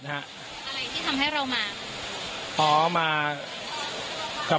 อะไรที่ทำให้เรามากับ